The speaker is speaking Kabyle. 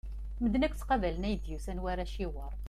Medden akk ttaqabalen ayen i d-yusan war aciwer.